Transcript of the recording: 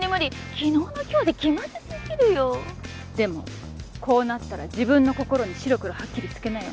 昨日の今日で気まずすぎるよでもこうなったら自分の心に白黒はっきりつけなよ